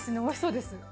美味しそうです。